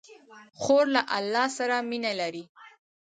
خور له الله سره مینه لري.